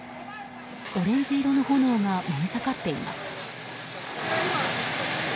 オレンジ色の炎が燃え盛っています。